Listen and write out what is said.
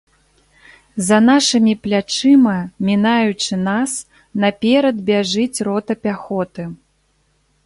За нашымі плячыма, мінаючы нас, наперад бяжыць рота пяхоты.